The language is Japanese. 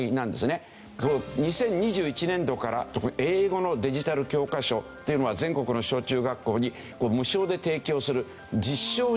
２０２１年度から英語のデジタル教科書っていうのは全国の小中学校に無償で提供する実証授業。